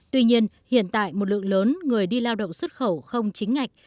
tuy nhiên hiện tại một lượng lớn người đi lao động xuất khẩu không chính ngạch